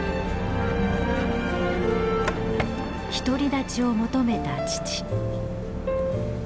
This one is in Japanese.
独り立ちを求めた父。